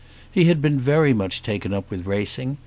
He had been much taken up with racing.